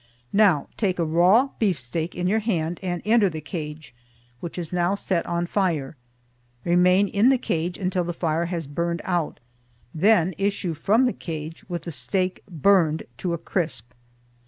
Now take a raw beefsteak in your hand and enter the cage, which is now set on fire. Remain in the cage until the fire has burned out, then issue from the cage with the steak burned to a crisp.